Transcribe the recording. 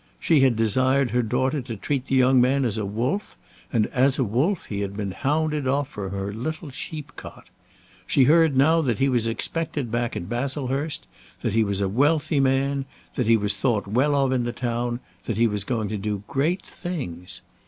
She had desired her daughter to treat the young man as a wolf, and as a wolf he had been hounded off from her little sheep cot. She heard now that he was expected back at Baslehurst; that he was a wealthy man; that he was thought well of in the town; that he was going to do great things.